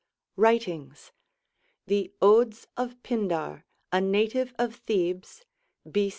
Writings. The odes of Pindar, a native of Thebes (B.